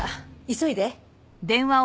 急いで。